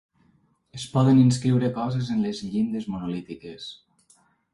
Es poden inscriure coses en les llindes monolítiques.